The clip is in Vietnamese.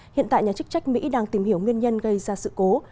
hiện tại nhà chức trách mỹ đang tìm hiểu nguyên nhân gây ra sự cố